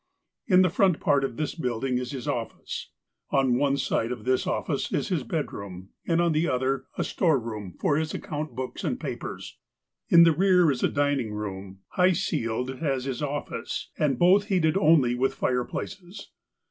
In the front part of this building is his of&ce. (See illustration of '' Duncan in his den. ") On one side of this office is his bedroom, and on the other, a storeroom for his account books and papers. In the rear is a dining room, high ceiled as his office, and both heated only with fireplaces.